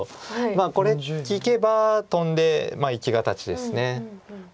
まあこれ利けばトンで生き形です。